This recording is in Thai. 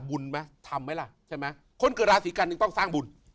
บุญทำไหมล่ะคนเกิดราศีกรรมต้องสร้างบุญ